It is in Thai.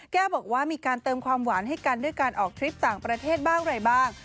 แก้วบอกว่ามีการเติมความหวานให้กันด้วยการออกทริปต่างประเทศบ้างอะไรบ้าง